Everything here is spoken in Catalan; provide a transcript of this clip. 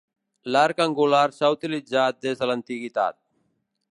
L'arc angular s'ha utilitzat des de l'antiguitat.